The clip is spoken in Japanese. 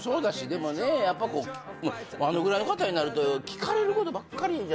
でもねやっぱこうあのぐらいの方になると聞かれることばっかりじゃない。